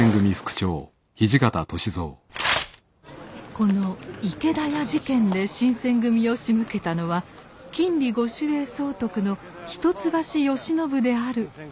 この池田屋事件で新選組をしむけたのは禁裏御守衛総督の一橋慶喜であるとのうわさが流れ。